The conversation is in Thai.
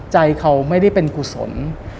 ใจเขาไม่ได้เป็นกุศล